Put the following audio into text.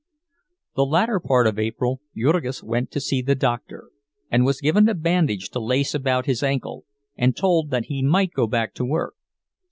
The latter part of April Jurgis went to see the doctor, and was given a bandage to lace about his ankle, and told that he might go back to work.